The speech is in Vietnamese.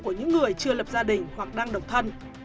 của những người chưa lập gia đình hoặc đang độc thân